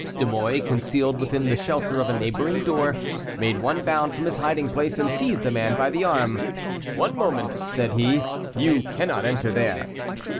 De Mouy, concealed within the shelter of a neighboring door, made one bound from his hiding place, and seized the man by the arm. "One moment," said he; "you cannot enter there."